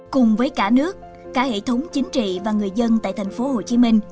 cùng với cả nước cả hệ thống chính trị và người dân tại tp hcm